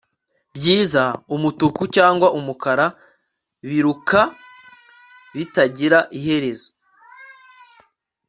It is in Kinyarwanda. Byiza Umutuku cyangwa umukara biruka bitagira iherezo